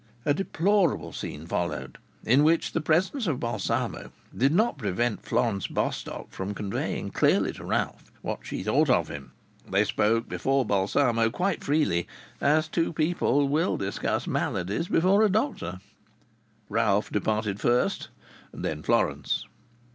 A deplorable scene followed, in which the presence of Balsamo did not prevent Florence Bostock from conveying clearly to Ralph what she thought of him. They spoke before Balsamo quite freely, as two people will discuss maladies before a doctor. Ralph departed first; then Florence.